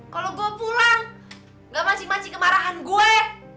kalau gue pulang enggak maci maci kemarahan gue